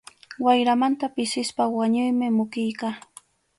Wayramanta pisispa wañuymi mukiyqa.